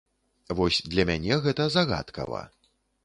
Вось для мяне гэта загадкава.